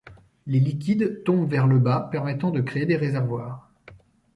Les liquides tombent vers le bas permettant de créer des réservoirs.